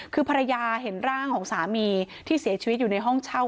คือภรรยาเห็นร่างของสามีที่เสียชีวิตอยู่ในห้องเช่า